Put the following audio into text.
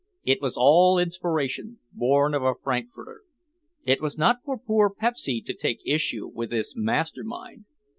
It was an inspiration—born of a frankfurter. It was not for poor Pepsy to take issue with this master mind.